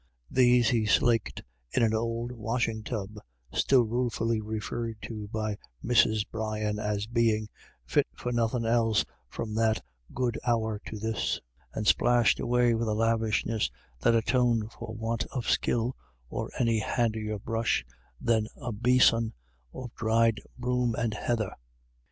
These he slaked in an old washing tub, still ruefully referred to by Mrs. Brian as being " fit for nothin' else from that good hour to this," and splashed away with a lavishness which atoned for want of skill, or any handier brush than a besom of dried broom and heather.